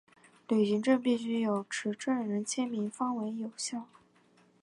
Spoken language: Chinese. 旅行证必须有持证人签名方为有效。